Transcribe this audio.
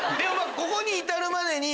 ここに至るまでに。